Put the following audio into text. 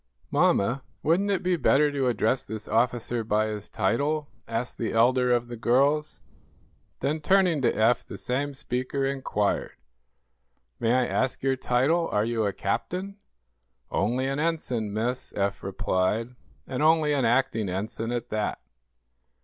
"Mamma, wouldn't it be better to address this officer by his title?" asked the elder of the girls. Then, turning to Eph, the same speaker inquired: "May I ask your title? Are you a captain?" "Only an ensign, miss," Eph replied, "and only an acting ensign at that."